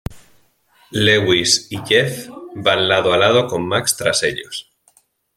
Lewis y Jeff van lado a lado con Max tras ellos.